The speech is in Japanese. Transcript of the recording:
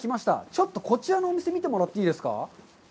ちょっと、こちらのお店を見てもらっていいですか？